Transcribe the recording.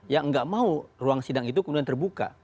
yang nggak mau ruang sidang itu kemudian terbuka